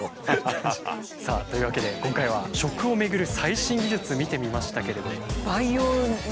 さあというわけで今回は食をめぐる最新技術見てみましたけれども。